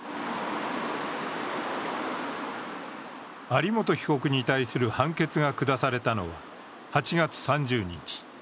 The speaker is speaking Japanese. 有本被告に対する判決が下されたのは８月３０日。